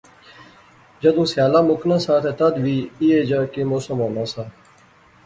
جدوں سیالا مُکنا سا تہ تد وی ایہھے جیا کی موسم ہونا سا